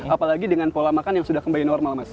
apalagi dengan pola makan yang sudah kembali normal mas